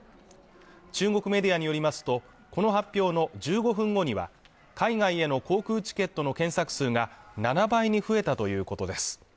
中国メディアによりますとこの発表の１５分後には海外への航空チケットの検索数が７倍に増えたということです